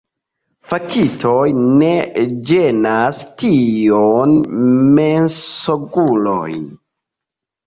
Faktoj ne ĝenas tiujn mensogulojn.